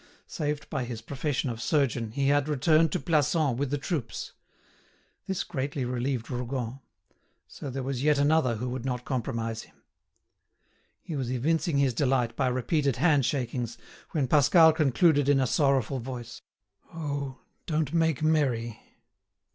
Saved by his profession of surgeon, he had returned to Plassans with the troops. This greatly relieved Rougon. So there was yet another who would not compromise him. He was evincing his delight by repeated hand shakings, when Pascal concluded in a sorrowful voice: "Oh! don't make merry.